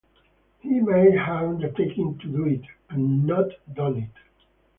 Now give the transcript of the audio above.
He might have undertaken to do it, and not done it.